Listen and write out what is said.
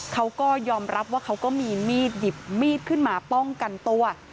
เขาก็ยอมรับว่าเขาก็มีมีดหยิบมีดขึ้นมาป้องกันตัว